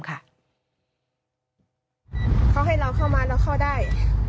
ไม่ได้ค่ะไม่ได้